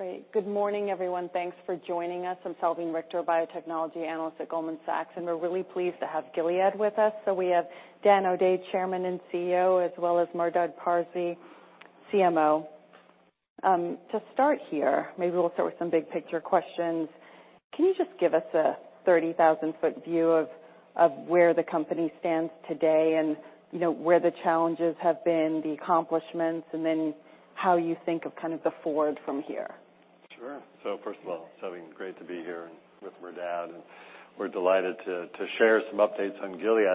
Great. Good morning, everyone. Thanks for joining us. I'm Salveen Richter, Biotechnology Analyst at Goldman Sachs, and we're really pleased to have Gilead with us. We have Dan O'Day, Chairman and CEO, as well as Merdad Parsey, CMO. To start here, maybe we'll start with some big picture questions. Can you just give us a 30,000 foot view of where the company stands today and, you know, where the challenges have been, the accomplishments, and then how you think of kind of the forward from here? Sure. First of all, Salveen, great to be here and with Merdad, and we're delighted to share some updates on Gilead.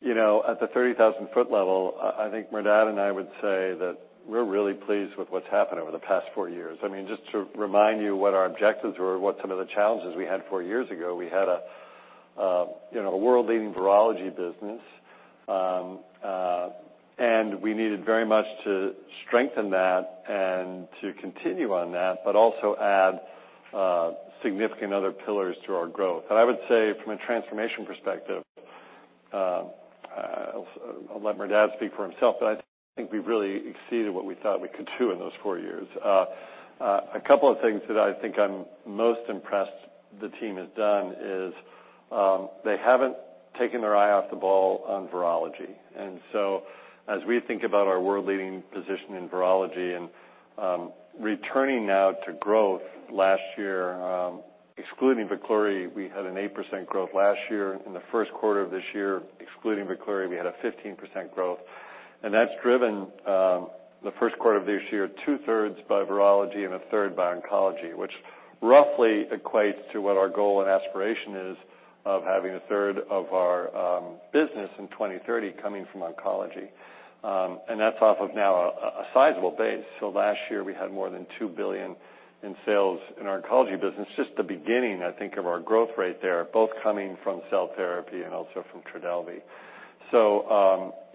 You know, at the 30,000 foot level, I think Merdad and I would say that we're really pleased with what's happened over the past four years. I mean, just to remind you what our objectives were, what some of the challenges we had four years ago, we had a, you know, a world-leading virology business. And we needed very much to strengthen that and to continue on that, but also add significant other pillars to our growth. I would say, from a transformation perspective, I'll let Merdad speak for himself, but I think we've really exceeded what we thought we could do in those four years. A couple of things that I think I'm most impressed the team has done is, they haven't taken their eye off the ball on virology. As we think about our world leading position in virology and returning now to growth last year, excluding VEKLURY, we had an 8% growth last year. In the first quarter of this year, excluding VEKLURY, we had a 15% growth. That's driven, the first quarter of this year, 2/3 by virology and 1/3 by oncology, which roughly equates to what our goal and aspiration is of having 1/3 of our business in 2030 coming from oncology. That's off of now a sizable base. Last year, we had more than $2 billion in sales in our oncology business. Just the beginning, I think, of our growth rate there, both coming from cell therapy and also from TRODELVY.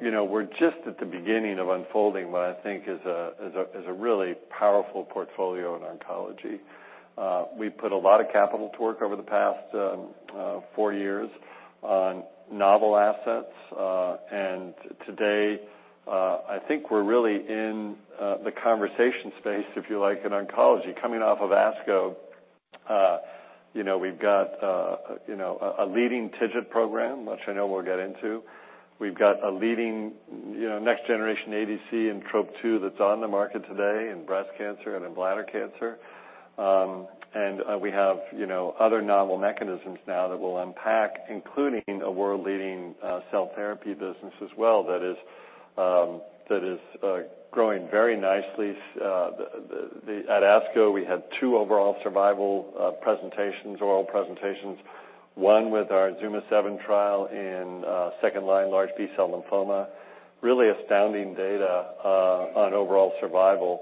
You know, we're just at the beginning of unfolding what I think is a really powerful portfolio in oncology. We put a lot of capital to work over the past four years on novel assets, and today, I think we're really in the conversation space, if you like, in oncology. Coming off of ASCO, you know, we've got, you know, a leading TIGIT program, which I know we'll get into. We've got a leading, you know, next generation ADC in Trop-2 that's on the market today in breast cancer and in bladder cancer. We have, you know, other novel mechanisms now that will unpack, including a world-leading cell therapy business as well, that is growing very nicely. At ASCO, we had two overall survival presentations, oral presentations, one with our ZUMA-7 trial in second-line large B-cell lymphoma. Really astounding data on overall survival,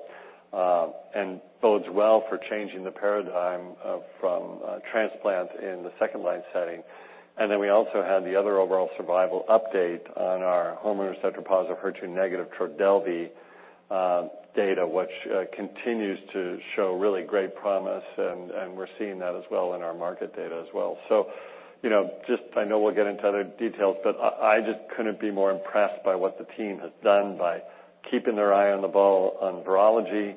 and bodes well for changing the paradigm from transplant in the second-line setting. We also had the other overall survival update on our hormone receptor-positive, HER2-negative TRODELVY data, which continues to show really great promise, and we're seeing that as well in our market data as well. You know, just I know we'll get into other details, but I just couldn't be more impressed by what the team has done by keeping their eye on the ball on virology,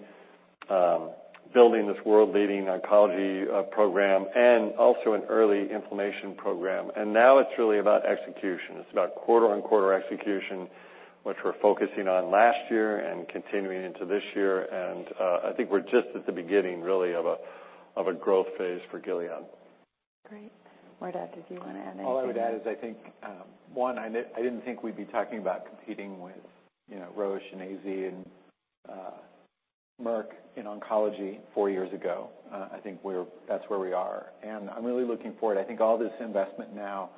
building this world-leading oncology program, and also an early inflammation program. Now it's really about execution. It's about quarter-on-quarter execution, which we're focusing on last year and continuing into this year. I think we're just at the beginning, really, of a growth phase for Gilead. Great. Merdad, did you want to add anything? All I would add is, I think, one, I didn't think we'd be talking about competing with, you know, Roche and AZ and Merck in oncology four years ago. I think that's where we are, and I'm really looking forward. I think all this investment now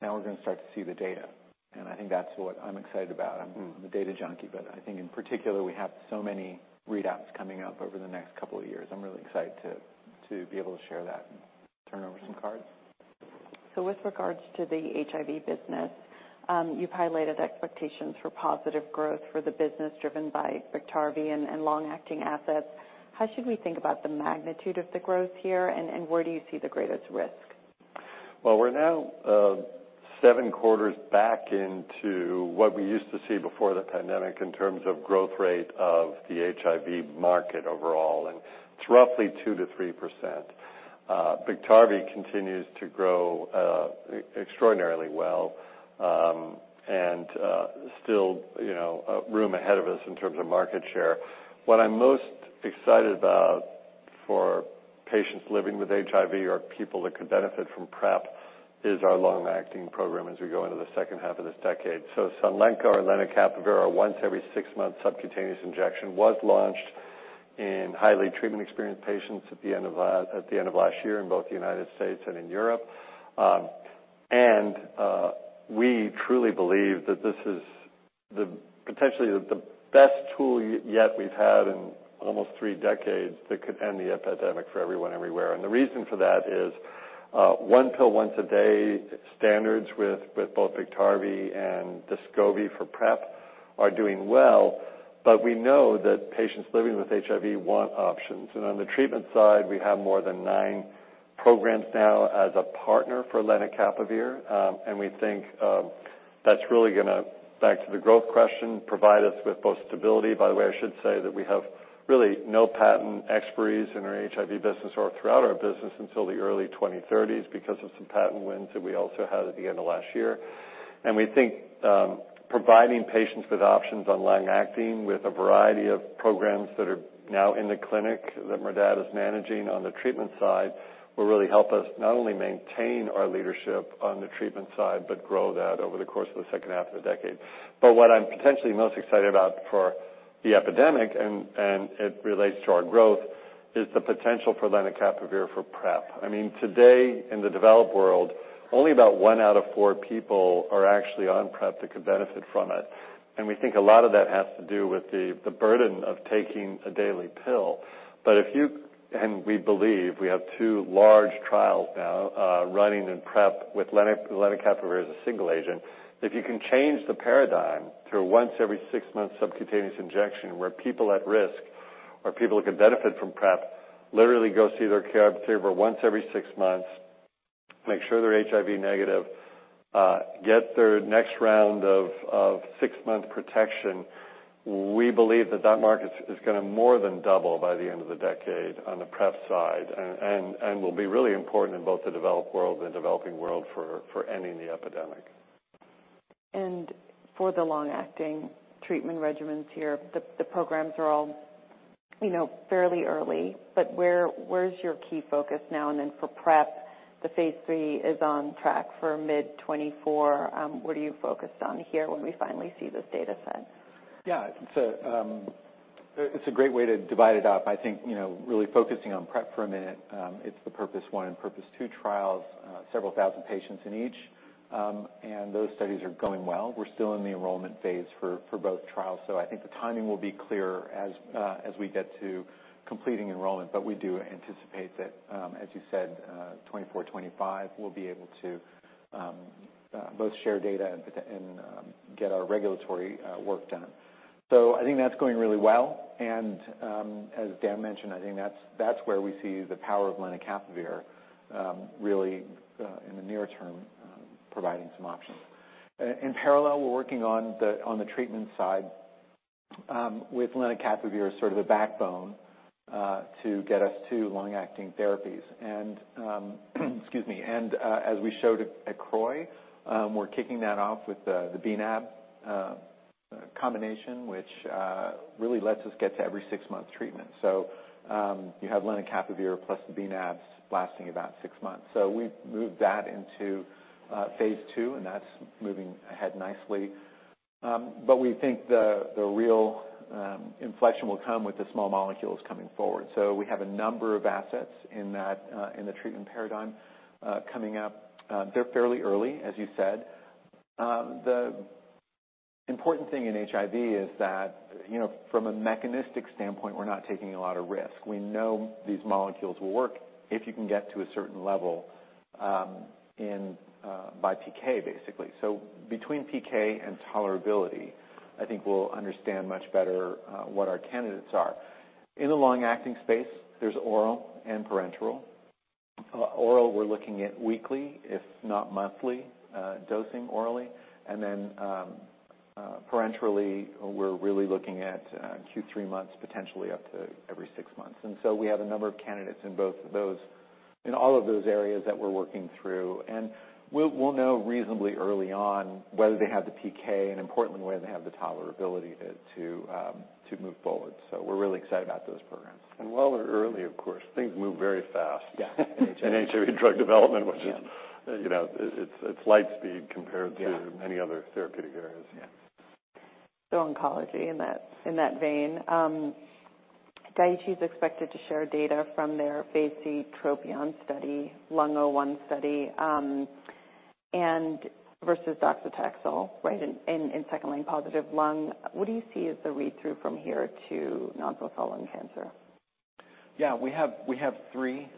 we're going to start to see the data, and I think that's what I'm excited about. Mm-hmm. I'm a data junkie, but I think in particular, we have so many readouts coming up over the next couple of years. I'm really excited to be able to share that and turn over some cards. With regards to the HIV business, you've highlighted expectations for positive growth for the business, driven by BIKTARVY and long-acting assets. How should we think about the magnitude of the growth here, and where do you see the greatest risk? Well, we're now seven quarters back into what we used to see before the pandemic in terms of growth rate of the HIV market overall. It's roughly 2%-3%. BIKTARVY continues to grow extraordinarily well, still, you know, room ahead of us in terms of market share. What I'm most excited about for patients living with HIV or people that could benefit from PrEP, is our long-acting program as we go into the second half of this decade. SUNLENCA or lenacapavir, a once every six-month subcutaneous injection, was launched in highly treatment-experienced patients at the end of last year in both the United States and in Europe. We truly believe that this is the, potentially the best tool yet we've had in almost three decades that could end the epidemic for everyone, everywhere. The reason for that is, one pill once a day, standards with both BIKTARVY and DESCOVY for PrEP are doing well, but we know that patients living with HIV want options. On the treatment side, we have more than nine programs now as a partner for lenacapavir, and we think, that's really gonna, back to the growth question, provide us with both stability. By the way, I should say that we have really no patent expiries in our HIV business or throughout our business until the early 2030s because of some patent wins that we also had at the end of last year. We think providing patients with options on long-acting, with a variety of programs that are now in the clinic, that Merdad is managing on the treatment side, will really help us not only maintain our leadership on the treatment side, but grow that over the course of the second half of the decade. What I'm potentially most excited about for the epidemic, and it relates to our growth, is the potential for lenacapavir for PrEP. I mean, today, in the developed world, only about one out of four people are actually on PrEP that could benefit from it, and we think a lot of that has to do with the burden of taking a daily pill. We believe we have two large trials now running in PrEP with lenacapavir as a single agent. If you can change the paradigm to a once every six months subcutaneous injection, where people at risk or people who can benefit from PrEP literally go see their care provider once every six months, make sure they're HIV negative, get their next round of six-month protection, we believe that market is gonna more than double by the end of the decade on the PrEP side, and will be really important in both the developed world and developing world for ending the epidemic. For the long-acting treatment regimens here, the programs are all, you know, fairly early, but where's your key focus now? For PrEP, the phase III is on track for mid 2024. What are you focused on here when we finally see this data set? Yeah. It's a great way to divide it up. I think, you know, really focusing on PrEP for a minute, it's the PURPOSE 1 and PURPOSE 2 trials, several thousand patients in each, those studies are going well. We're still in the enrollment phase for both trials, so I think the timing will be clearer as we get to completing enrollment. We do anticipate that, as you said, 2024, 2025, we'll be able to both share data and get our regulatory work done. I think that's going really well, and as Dan mentioned, I think that's where we see the power of lenacapavir really in the near term providing some options. In parallel, we're working on the treatment side with lenacapavir as sort of the backbone to get us to long-acting therapies. Excuse me, as we showed at CROI, we're kicking that off with the bNAb combination, which really lets us get to every six-month treatment. You have lenacapavir plus the bNAbs lasting about six months. We've moved that into phase II, and that's moving ahead nicely. We think the real inflection will come with the small molecules coming forward. We have a number of assets in that in the treatment paradigm coming up. They're fairly early, as you said. The important thing in HIV is that, you know, from a mechanistic standpoint, we're not taking a lot of risk. We know these molecules will work if you can get to a certain level, in by PK, basically. Between PK and tolerability, I think we'll understand much better what our candidates are. In the long-acting space, there's oral and parenteral. Oral, we're looking at weekly, if not monthly, dosing orally, and then parenterally, we're really looking at two, three months, potentially up to every six months. We have a number of candidates in all of those areas that we're working through. We'll know reasonably early on whether they have the PK, and importantly, whether they have the tolerability to move forward. We're really excited about those programs. While we're early, of course, things move very fast. Yeah. In HIV drug development, which is, you know, it's light speed compared to. Yeah. Many other therapeutic areas. Yeah. Oncology, in that, in that vein, Daiichi is expected to share data from their phase III TROPION study, Lung01 study, and versus docetaxel, right, in second-line positive lung. What do you see as the read-through from here to non-small cell lung cancer? Yeah, we have three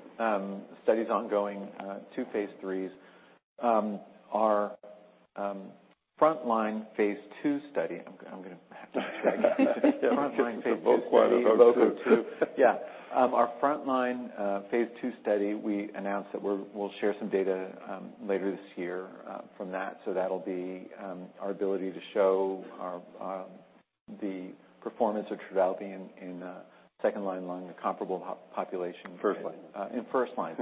studies ongoing, two phase IIIs. Our frontline phase II study, I'm gonna have to frontline phase II. Quite a focus. Our frontline, phase II study, we announced that we'll share some data, later this year, from that. That'll be our ability to show our, the performance of TRODELVY in second line lung, a comparable population. First line. In first line.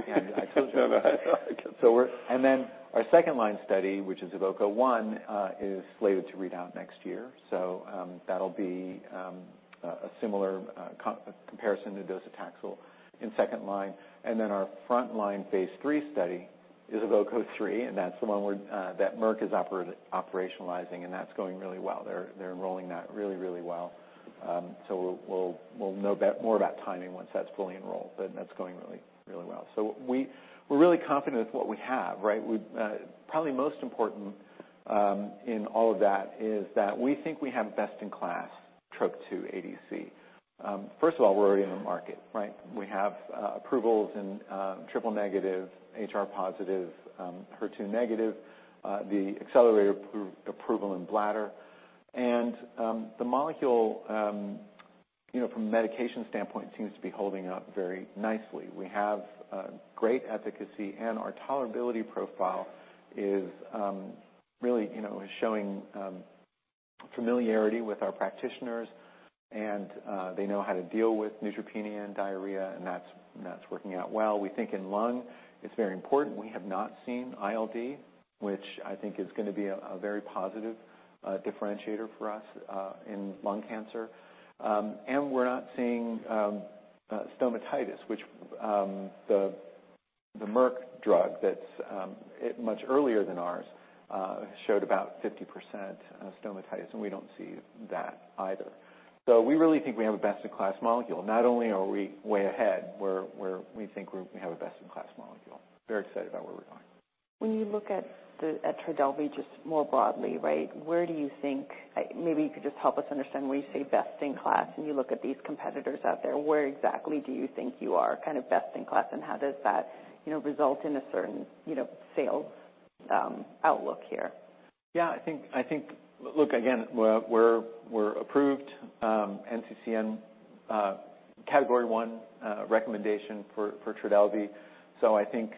And then our second line study, which is EVOKE-01, is slated to read out next year. That'll be a similar comparison to docetaxel in second line. And then our frontline phase III study is EVOKE-03, and that's the one we're that Merck is operationalizing, and that's going really well. They're enrolling that really, really well. We'll know more about timing once that's fully enrolled, but that's going really, really well. We're really confident with what we have, right? We've probably most important in all of that, is that we think we have best-in-class Trop-2 ADC. First of all, we're already in the market, right? We have approvals in triple-negative, HR-positive, HER2-negative, the accelerated approval in bladder. The molecule, you know, from a medication standpoint, seems to be holding up very nicely. We have great efficacy, and our tolerability profile is really, you know, is showing familiarity with our practitioners, and they know how to deal with neutropenia and diarrhea, and that's working out well. We think in lung, it's very important. We have not seen ILD, which I think is gonna be a very positive differentiator for us in lung cancer. We're not seeing stomatitis, which the Merck drug that's it much earlier than ours showed about 50% stomatitis, and we don't see that either. We really think we have a best-in-class molecule. Not only are we way ahead, we're we think we have a best-in-class molecule. Very excited about where we're going. When you look at the, at TRODELVY just more broadly, right? Where do you think, maybe you could just help us understand when you say best-in-class, and you look at these competitors out there, where exactly do you think you are kind of best-in-class, and how does that, you know, result in a certain, you know, sales, outlook here? Yeah, I think, look, again, we're approved NCCN Category 1 recommendation for TRODELVY. I think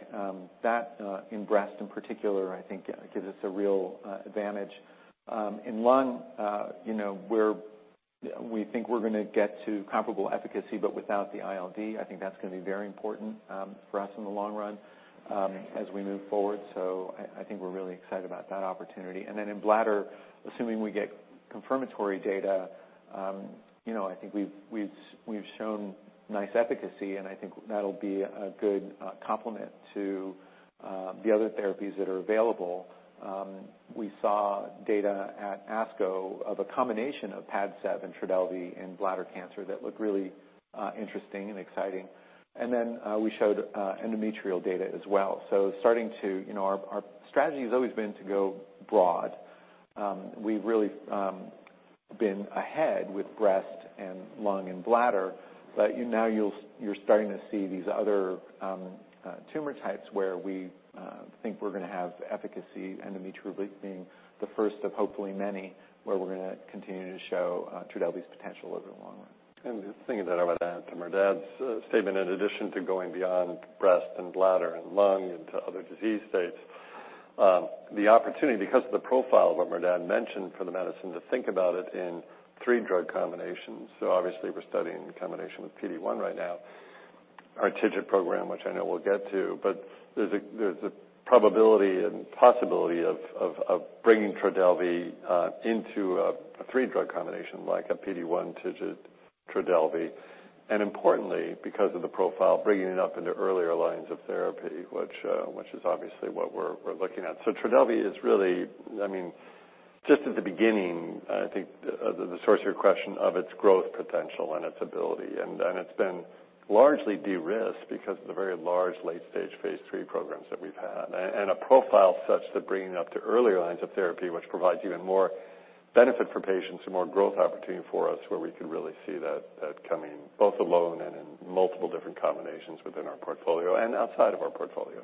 that in breast, in particular, I think gives us a real advantage. In lung, you know, we think we're gonna get to comparable efficacy, but without the ILD, I think that's gonna be very important for us in the long run as we move forward. I think we're really excited about that opportunity. In bladder, assuming we get confirmatory data, you know, I think we've shown nice efficacy, and I think that'll be a good complement to the other therapies that are available. We saw data at ASCO of a combination of PADCEV and TRODELVY in bladder cancer that looked really interesting and exciting. We showed endometrial data as well. Starting to, you know, our strategy has always been to go broad. We've really been ahead with breast and lung and bladder, you know, you're starting to see these other tumor types where we think we're gonna have efficacy, endometrial being the first of hopefully many, where we're gonna continue to show TRODELVY's potential over the long run. The thing that I would add to Merdad's statement, in addition to going beyond breast and bladder and lung into other disease states, the opportunity, because of the profile of what Merdad mentioned for the medicine, to think about it in three drug combinations. Obviously, we're studying combination with PD-1 right now, our TIGIT program, which I know we'll get to, but there's a probability and possibility of bringing TRODELVY into a three-drug combination like a PD-1, TIGIT, TRODELVY. Importantly, because of the profile, bringing it up into earlier lines of therapy, which is obviously what we're looking at. TRODELVY is really, I mean, just at the beginning, I think, the source of your question of its growth potential and its ability, and it's been largely de-risked because of the very large late-stage phase III programs that we've had. A profile such that bringing up to earlier lines of therapy, which provides even more benefit for patients and more growth opportunity for us, where we could really see that coming both alone and in multiple different combinations within our portfolio and outside of our portfolio.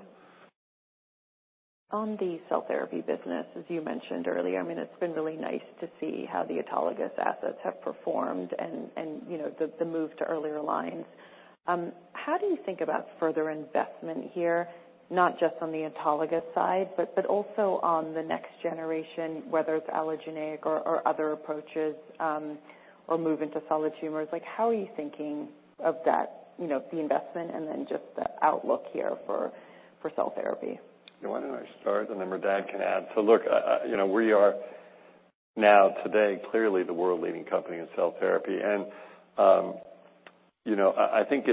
On the cell therapy business, as you mentioned earlier, I mean, it's been really nice to see how the autologous assets have performed and, you know, the move to earlier lines. How do you think about further investment here, not just on the autologous side, but also on the next generation, whether it's allogeneic or other approaches, or move into solid tumors? Like, how are you thinking of that, you know, the investment and then just the outlook here for cell therapy? Why don't I start, and then Merdad can add? Look, you know, we are now today, clearly the world leading company in cell therapy. You know, I think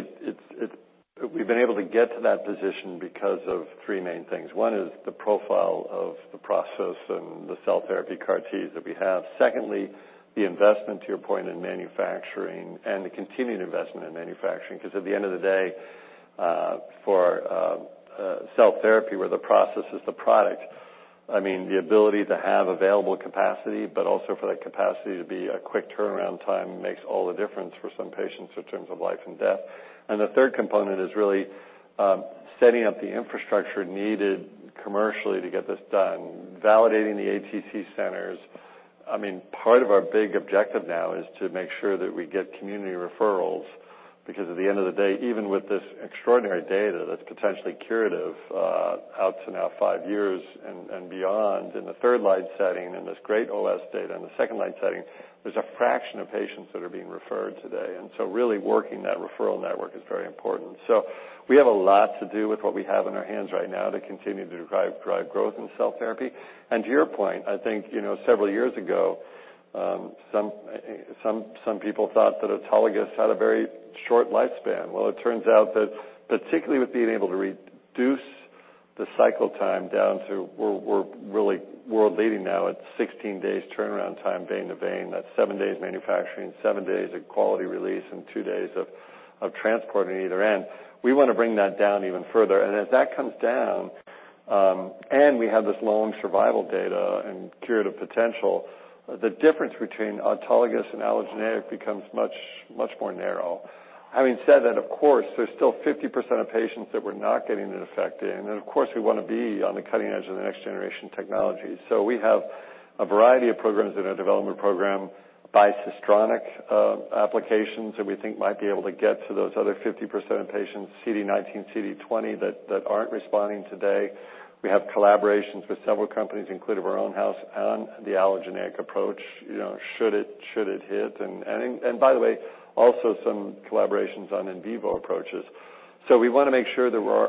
we've been able to get to that position because of three main things. One is the profile of the process and the cell therapy CAR-Ts that we have. Secondly, the investment, to your point, in manufacturing and the continued investment in manufacturing, because at the end of the day, for cell therapy, where the process is the product, I mean, the ability to have available capacity, but also for that capacity to be a quick turnaround time, makes all the difference for some patients in terms of life and death. The third component is really setting up the infrastructure needed commercially to get this done, validating the ATC centers. I mean, part of our big objective now is to make sure that we get community referrals, because at the end of the day, even with this extraordinary data that's potentially curative, out to now five years and beyond, in the third line setting and this great OS data in the second line setting, there's a fraction of patients that are being referred today. Really working that referral network is very important. We have a lot to do with what we have in our hands right now to continue to drive growth in cell therapy. To your point, I think, you know, several years ago, some people thought that autologous had a very short lifespan. Well, it turns out that particularly with being able to reduce the cycle time down to we're really world leading now at 16 days turnaround time, vein to vein. That's seven days manufacturing, seven days of quality release, and two days of transporting either end. We want to bring that down even further. As that comes down, and we have this long survival data and curative potential, the difference between autologous and allogeneic becomes much, much more narrow. Having said that, of course, there's still 50% of patients that we're not getting an effect in, and of course, we want to be on the cutting edge of the next generation technology. So, we have a variety of programs in our development program by [Systronics], applications that we think might be able to get to those other 50% of patients, CD19, CD20, that aren't responding today. We have collaborations with several companies, including our own house, on the allogeneic approach, you know, should it hit. By the way, also some collaborations on in vivo approaches. We wanna make sure that we're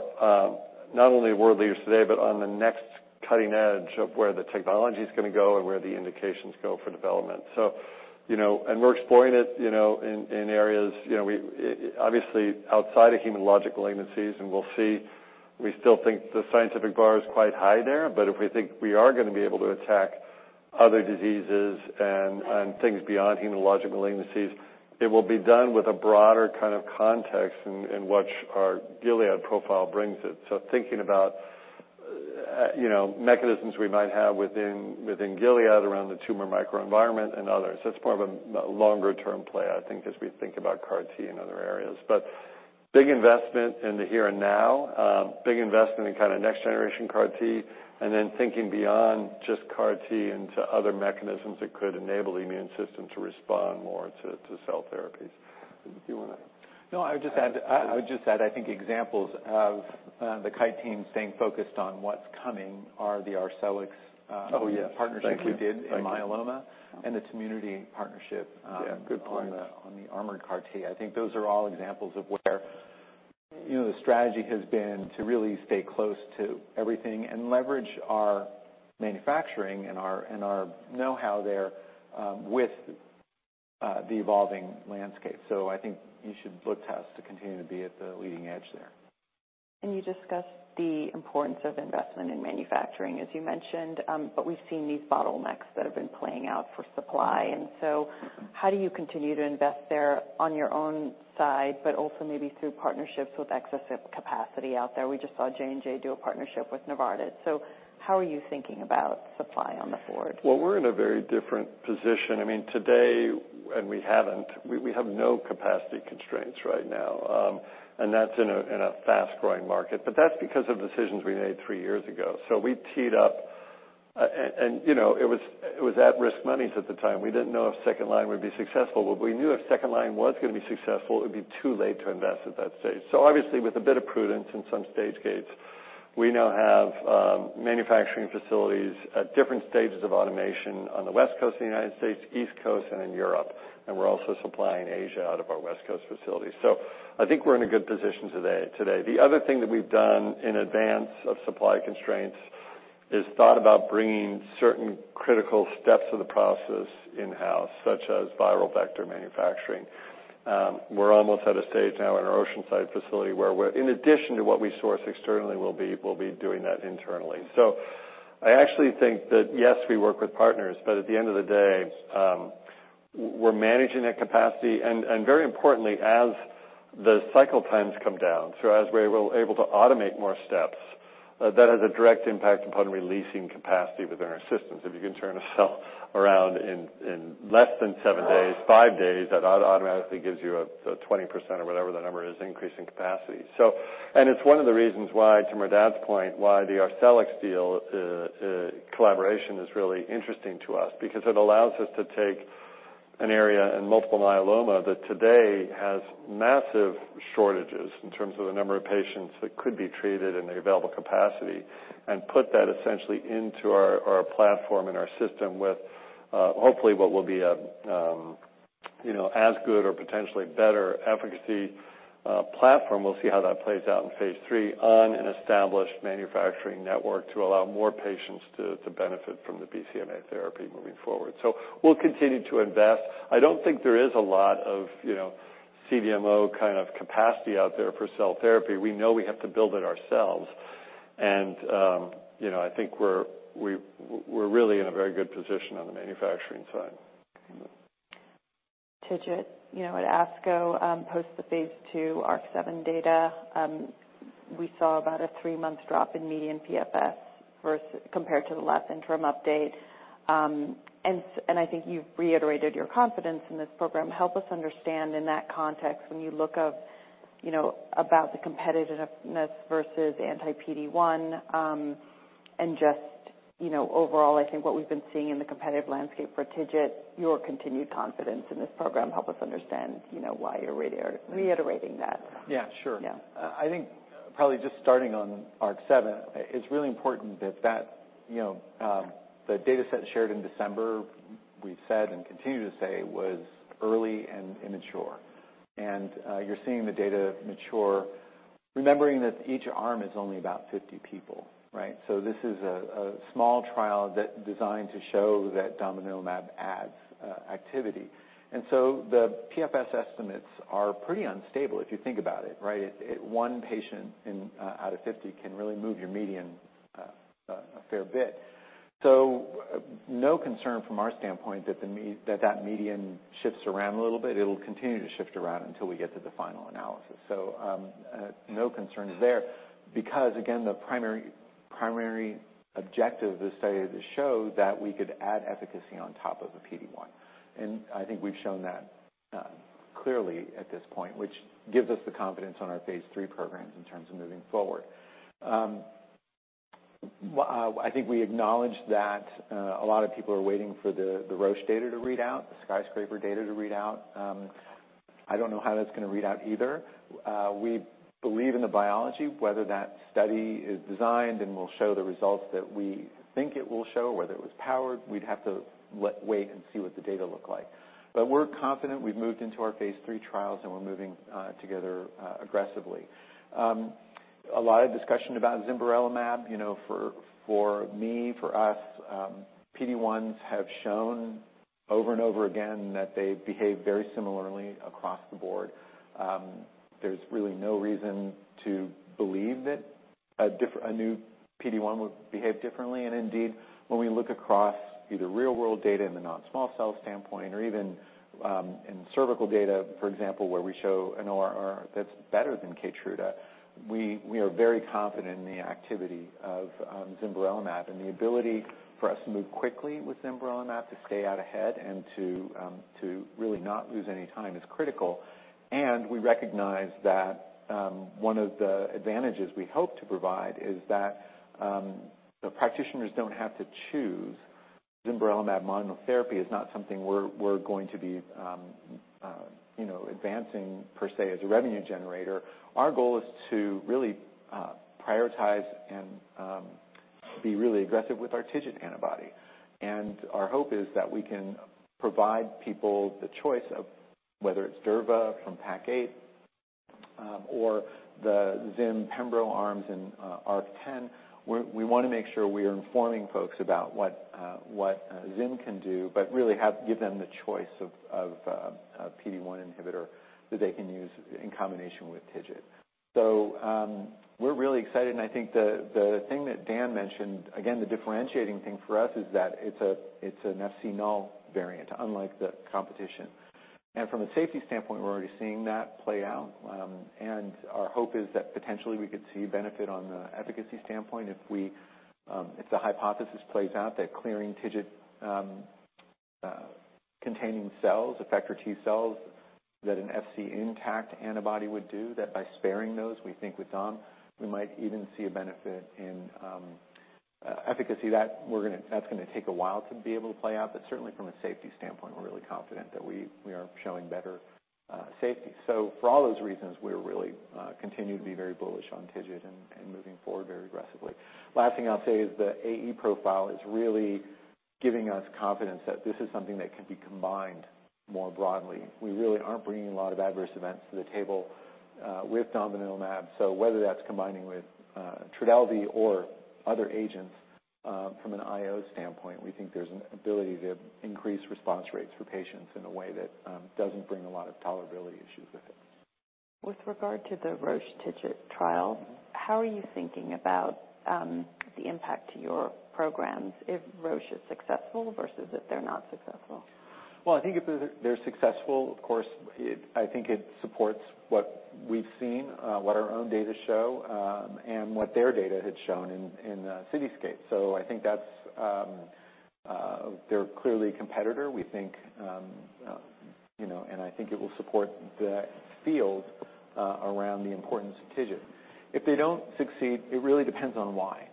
not only world leaders today, but on the next cutting edge of where the technology is gonna go and where the indications go for development. We're exploring it, you know, in areas, you know, obviously, outside of hematological agencies, and we'll see. We still think the scientific bar is quite high there, if we think we are gonna be able to attack other diseases and things beyond hematological malignancies, it will be done with a broader kind of context in which our Gilead profile brings it. Thinking about, you know, mechanisms we might have within Gilead around the tumor microenvironment and others. That's more of a longer-term play, I think, as we think about CAR-T in other areas. Big investment in the here and now, big investment in kind of next generation CAR-T, thinking beyond just CAR-T into other mechanisms that could enable the immune system to respond more to cell therapies. Do you wanna? No, I would just add, I think examples of the Kite team staying focused on what's coming are the Arcellx. Oh, yeah. Partnership we did in myeloma and the community partnership. Yeah, good point. On the armored CAR T. I think those are all examples of where, you know, the strategy has been to really stay close to everything and leverage our manufacturing and our know-how there, with the evolving landscape. I think you should look to us to continue to be at the leading edge there. You discussed the importance of investment in manufacturing, as you mentioned, but we've seen these bottlenecks that have been playing out for supply. How do you continue to invest there on your own side, but also maybe through partnerships with excessive capacity out there? We just saw J&J do a partnership with Novartis. How are you thinking about supply on the forward? We're in a very different position. I mean, today, and we have no capacity constraints right now, and that's in a fast-growing market. That's because of decisions we made three years ago. We teed up, and, you know, it was at-risk monies at the time. We didn't know if second line would be successful, but we knew if second line was gonna be successful, it would be too late to invest at that stage. Obviously, with a bit of prudence in some stage gates, we now have manufacturing facilities at different stages of automation on the West Coast of the United States, East Coast, and in Europe, and we're also supplying Asia out of our West Coast facilities. I think we're in a good position today. The other thing that we've done in advance of supply constraints is thought about bringing certain critical steps of the process in-house, such as viral vector manufacturing. We're almost at a stage now in our Oceanside facility, where in addition to what we source externally, we'll be doing that internally. I actually think that, yes, we work with partners, but at the end of the day, we're managing that capacity. Very importantly, as the cycle times come down, so as we're able to automate more steps, that has a direct impact upon releasing capacity within our systems. If you can turn a cell around in less than seven days, five days, that automatically gives you a 20% or whatever the number is, increase in capacity. It's one of the reasons why, to Merdad's point, why the Arcellx deal, collaboration is really interesting to us because it allows us to take an area in multiple myeloma that today has massive shortages in terms of the number of patients that could be treated in the available capacity, and put that essentially into our platform and our system with, hopefully, what will be a, you know, as good or potentially better efficacy, platform. We'll see how that plays out in phase III on an established manufacturing network to allow more patients to benefit from the BCMA therapy moving forward. We'll continue to invest. I don't think there is a lot of, you know, CDMO kind of capacity out there for cell therapy. We know we have to build it ourselves, you know, I think we're really in a very good position on the manufacturing side. TIGIT, you know, at ASCO, post the phase II ARC-7 data, we saw about a three-month drop in median PFS compared to the last interim update. I think you've reiterated your confidence in this program. Help us understand in that context, when you look of, you know, about the competitiveness versus anti-PD-1, and just, you know, overall, I think what we've been seeing in the competitive landscape for TIGIT, your continued confidence in this program? Help us understand, you know, why you're reiterating that? Yeah, sure. Yeah. I think probably just starting on ARC-7, it's really important that, you know, the data set shared in December, we've said and continue to say, was early and immature. You're seeing the data mature, remembering that each arm is only about 50 people, right? This is a small trial that designed to show that domvanalimab adds activity. The PFS estimates are pretty unstable, if you think about it, right? One patient in out of 50 can really move your median a fair bit. So no concern from our standpoint that the median shifts around a little bit. It'll continue to shift around until we get to the final analysis. No concerns there, because, again, the primary objective of this study is to show that we could add efficacy on top of a PD-1. I think we've shown that clearly at this point, which gives us the confidence on our phase III programs in terms of moving forward. I think we acknowledge that a lot of people are waiting for the Roche data to read out, the SKYSCRAPER data to read out. I don't know how that's gonna read out either. We believe in the biology, whether that study is designed and will show the results that we think it will show, whether it was powered, we'd have to wait and see what the data look like. We're confident we've moved into our phase III trials, and we're moving together aggressively. A lot of discussion about zimberelimab, you know, for me, for us, PD-1s have shown over and over again that they behave very similarly across the board. There's really no reason to believe that a new PD-1 would behave differently. Indeed, when we look across either real world data in the non-small cell standpoint or even, in cervical data, for example, where we show an ORR that's better than KEYTRUDA, we are very confident in the activity of, zimberelimab. The ability for us to move quickly with zimberelimab, to stay out ahead and to really not lose any time is critical. We recognize that, one of the advantages we hope to provide is that, the practitioners don't have to choose zimberelimab monotherapy is not something we're going to be, you know, advancing per se, as a revenue generator. Our goal is to really prioritize and be really aggressive with our TIGIT antibody. Our hope is that we can provide people the choice of whether it's durva from PACIFIC-8 or the zim-pembro arms in ARC-10. We wanna make sure we are informing folks about what zim can do, but really give them the choice of a PD-1 inhibitor that they can use in combination with TIGIT. We're really excited, and I think the thing that Dan mentioned, again, the differentiating thing for us is that it's an Fc-null variant, unlike the competition. From a safety standpoint, we're already seeing that play out. Our hope is that potentially we could see benefit on the efficacy standpoint if we, if the hypothesis plays out, that clearing TIGIT containing cells, effector T-cells, that an Fc intact antibody would do, that by sparing those, we think with dom, we might even see a benefit in efficacy. That's gonna take a while to be able to play out. Certainly, from a safety standpoint, we're really confident that we are showing better safety. For all those reasons, we're really continue to be very bullish on TIGIT and moving forward very aggressively. Last thing I'll say is the AE profile is really giving us confidence that this is something that can be combined more broadly. We really aren't bringing a lot of adverse events to the table with domvanalimab. Whether that's combining with TRODELVY or other agents, from an IO standpoint, we think there's an ability to increase response rates for patients in a way that doesn't bring a lot of tolerability issues with it. With regard to the Roche TIGIT trial, how are you thinking about the impact to your programs if Roche is successful versus if they're not successful? Well, I think if they're successful, of course, I think it supports what we've seen, what our own data show, and what their data had shown in, CITYSCAPE. I think that's. They're clearly a competitor, we think, you know, and I think it will support the field around the importance of TIGIT. If they don't succeed, it really depends on why.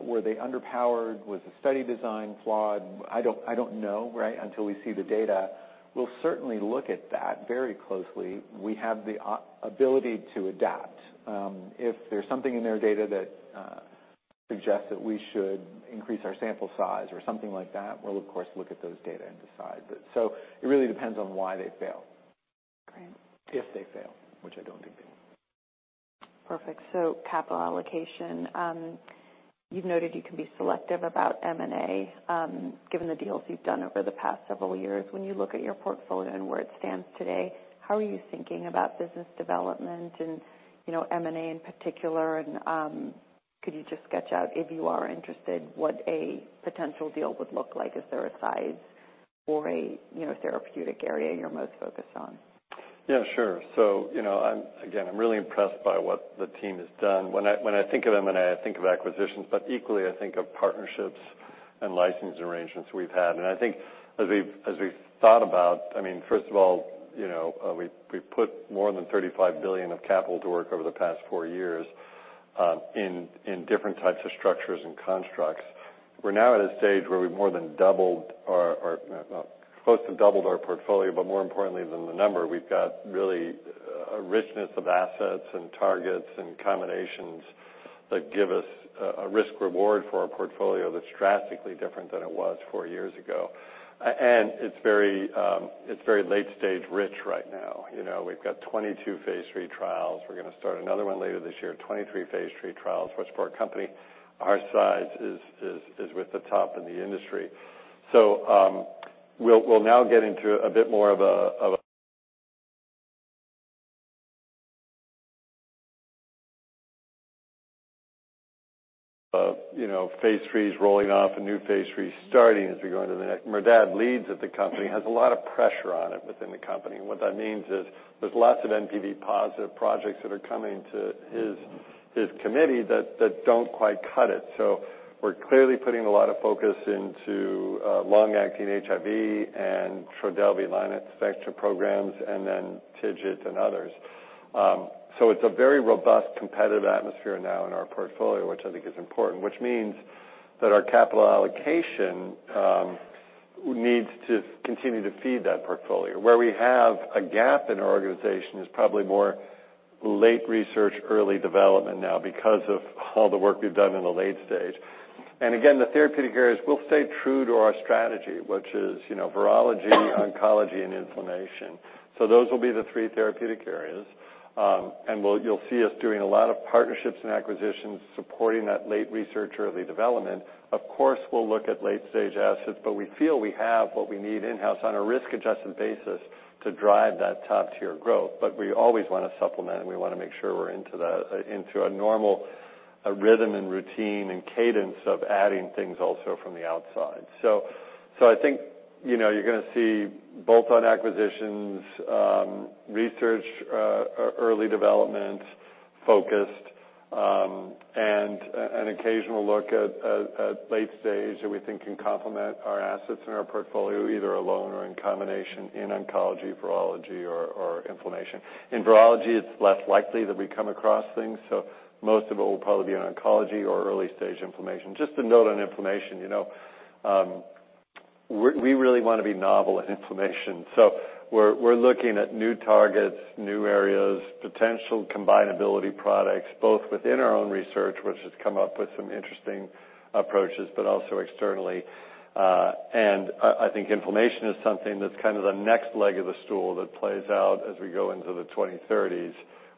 Were they underpowered? Was the study design flawed? I don't know, right, until we see the data. We'll certainly look at that very closely. We have the ability to adapt. If there's something in their data that suggests that we should increase our sample size or something like that, we'll of course, look at those data and decide. It really depends on why they fail. Great. If they fail, which I don't think they will. Perfect. Capital allocation. You've noted you can be selective about M&A. Given the deals you've done over the past several years, when you look at your portfolio and where it stands today, how are you thinking about business development and, you know, M&A in particular? Could you just sketch out, if you are interested, what a potential deal would look like? Is there a size or a, you know, therapeutic area you're most focused on? Yeah, sure. You know, again, I'm really impressed by what the team has done. When I think of M&A, I think of acquisitions, but equally, I think of partnerships and licensing arrangements we've had. I think as we've thought about, I mean, first of all, you know, we've put more than $35 billion of capital to work over the past four years in different types of structures and constructs. We're now at a stage where we've more than doubled our, close to doubled our portfolio, but more importantly than the number, we've got really a richness of assets and targets and combinations that give us a risk reward for our portfolio that's drastically different than it was four years ago. It's very late stage rich right now. You know, we've got 22 phase III trials. We're gonna start another one later this year, 23 phase III trials, which for a company our size is with the top in the industry. We'll now get into a bit more of a, you know, phase IIIs rolling off and new phase IIIs starting as we go into the next. Merdad leads at the company, has a lot of pressure on it within the company. What that means is there's lots of NPV positive projects that are coming to his committee that don't quite cut it. We're clearly putting a lot of focus into long-acting HIV and TRODELVY, [lena], Spectra programs, and then TIGIT and others. It's a very robust, competitive atmosphere now in our portfolio, which I think is important. Which means that our capital allocation needs to continue to feed that portfolio. Where we have a gap in our organization is probably more late research, early development now, because of all the work we've done in the late stage. Again, the therapeutic areas, we'll stay true to our strategy, which is, you know, virology, oncology, and inflammation. Those will be the three therapeutic areas. You'll see us doing a lot of partnerships and acquisitions supporting that late research, early development. Of course, we'll look at late-stage assets, but we feel we have what we need in-house on a risk-adjusted basis to drive that top-tier growth. We always want to supplement, and we want to make sure we're into the, into a normal, a rhythm and routine and cadence of adding things also from the outside. I think, you know, you're gonna see both on acquisitions, research, early development focused, and an occasional look at late stage that we think can complement our assets and our portfolio, either alone or in combination, in oncology, virology, or inflammation. In virology, it's less likely that we come across things, so most of it will probably be on oncology or early-stage inflammation. Just a note on inflammation, you know, we really want to be novel in inflammation. We're looking at new targets, new areas, potential combinability products, both within our own research, which has come up with some interesting approaches, but also externally. I think inflammation is something that's kind of the next leg of the stool that plays out as we go into the 2030s,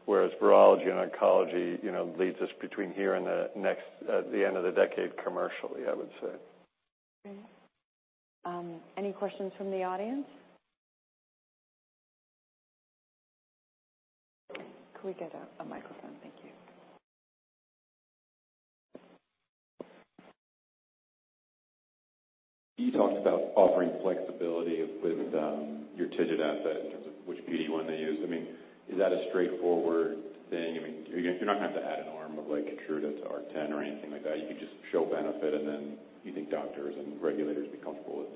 whereas virology and oncology, you know, leads us between here and the end of the decade commercially, I would say. Great. Any questions from the audience? Could we get a microphone? Thank you. You talked about offering flexibility with your TIGIT asset in terms of which PD-1 to use. I mean, is that a straightforward thing? I mean, you're not going to have to add an arm of, like, KEYTRUDA to ARC-10 or anything like that. You could just show benefit, and then you think doctors and regulators be comfortable with.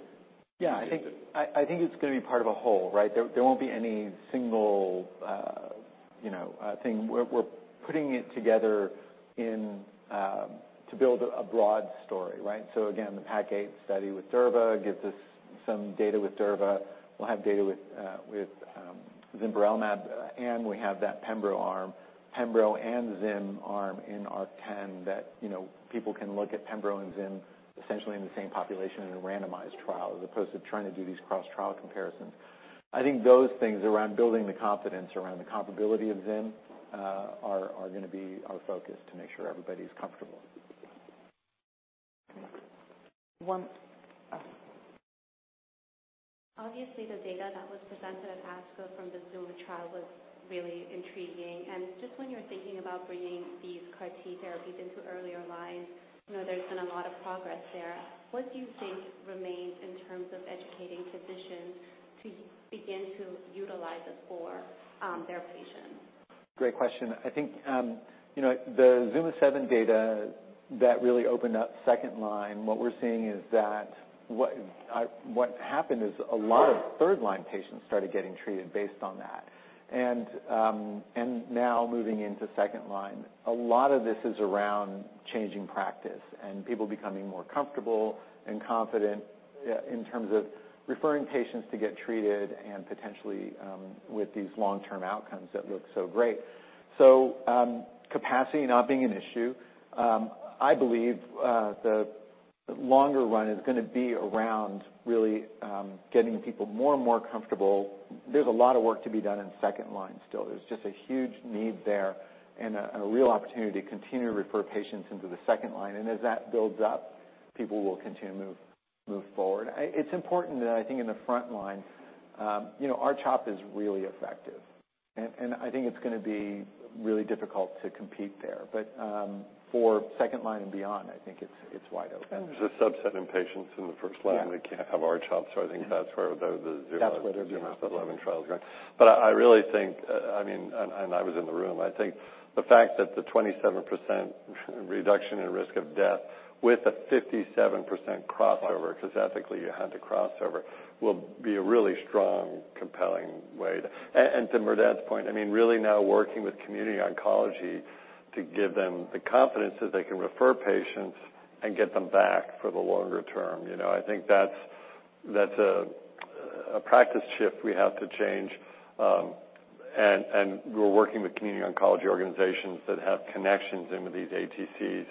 I think it's going to be part of a whole, right? There, there won't be any single, you know, thing. We're putting it together to build a broad story, right? Again, the PACIFIC-8 study with durva gives us some data with durva. We'll have data with zimberelimab, and we have that pembro arm. Pembro and zim arm in ARC-10 that, you know, people can look at pembro and zim essentially in the same population in a randomized trial, as opposed to trying to do these cross-trial comparisons. Those things around building the confidence around the comparability of zim, are gonna be our focus to make sure everybody's comfortable. One. Obviously, the data that was presented at ASCO from the ZUMA trial was really intriguing. Just when you're thinking about bringing these CAR T therapies into earlier lines, you know, there's been a lot of progress there. What do you think remains in terms of educating physicians to begin to utilize it for their patients? Great question. I think, you know, the ZUMA-7 data that really opened up second line, what happened is a lot of third line patients started getting treated based on that. Now moving into second line, a lot of this is around changing practice and people becoming more comfortable and confident in terms of referring patients to get treated and potentially with these long-term outcomes that look so great. Capacity not being an issue, I believe the longer run is gonna be around really getting people more and more comfortable. There's a lot of work to be done in second line still. There's just a huge need there and a real opportunity to continue to refer patients into the second line. As that builds up, people will continue to move forward. It's important that I think in the front line, you know, R-CHOP is really effective, and I think it's gonna be really difficult to compete there. For second line and beyond, I think it's wide open. There's a subset in patients in the first line. Yeah. Who can't have R-CHOP, I think that's where. That's where they're going. Trials going. I really think, I mean, and I was in the room. I think the fact that the 27% reduction in risk of death with a 57% crossover, because ethically, you had to crossover, will be a really strong, compelling way to. To Merdad's point, I mean, really now working with community oncology to give them the confidence that they can refer patients and get them back for the longer term. You know, I think that's a practice shift we have to change, and we're working with community oncology organizations that have connections into these ATCs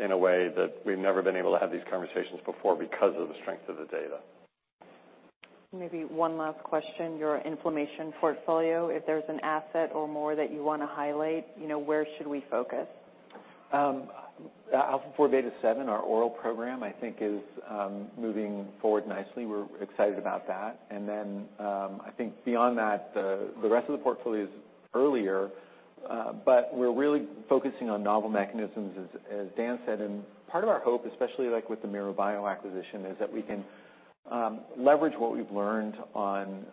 in a way that we've never been able to have these conversations before because of the strength of the data. Maybe one last question. Your inflammation portfolio, if there's an asset or more that you want to highlight, you know, where should we focus? Alpha-4 beta-7, our oral program, I think is moving forward nicely. We're excited about that. I think beyond that, the rest of the portfolio is earlier, but we're really focusing on novel mechanisms, as Dan said. Part of our hope, especially like with the MiroBio acquisition, is that we can leverage what we've learned on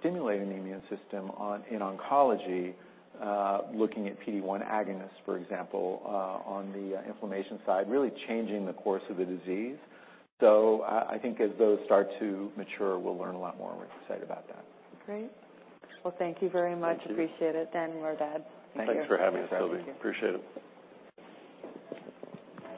stimulating the immune system in oncology, looking at PD-1 agonists, for example, on the inflammation side, really changing the course of the disease. I think as those start to mature, we'll learn a lot more, and we're excited about that. Great. Well, thank you very much. Thank you. Appreciate it, Dan, Merdad. Thank you. Thanks for having us, Salveen. Appreciate it.